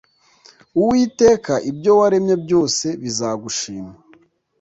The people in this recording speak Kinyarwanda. uwiteka ibyo waremye byose bizagushima